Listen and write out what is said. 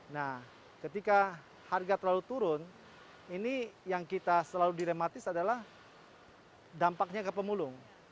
nah ketika harga terlalu turun ini yang kita selalu dilematis adalah dampaknya ke pemulung